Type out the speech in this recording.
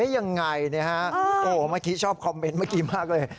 ยังไงนะฮะโอ้โหเมื่อกี้ชอบคอมเมนต์เมื่อกี้มากเลย